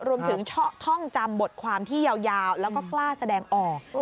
รวมถึงเชาะท่องจำบทความที่ยาวแล้วก็กล้าแสดงออก